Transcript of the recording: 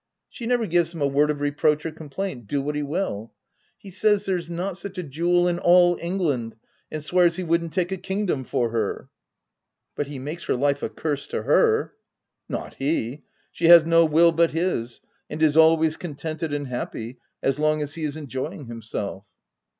She never gives him a word of reproach or complaint, do what he will. He says there's not such a jewel in all England, and swears he wouldn't take a kingdom for her.'' " But he makes her life a curse to her.'' u Not he ! She has no will but his, and is always contented and happy as long as he is enjoying himself."